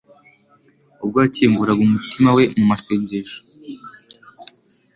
ubwo yakinguraga umutima we mu masengesho